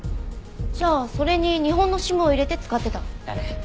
じゃあそれに日本のＳＩＭを入れて使ってた？だね。